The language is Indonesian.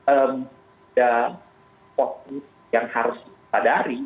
ada posisi yang harus dipadari